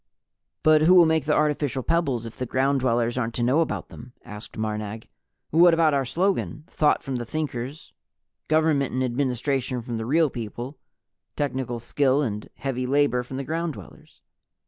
"But who will make the artificial pebbles if the Ground Dwellers aren't to know about them?" asked Marnag. "What about our slogan 'Thought from the Thinkers, government and administration from the Real People, technical skill and heavy labor from the Ground Dwellers'?"